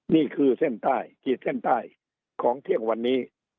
นี่คือเส้นใต้ของเที่ยงวันนี้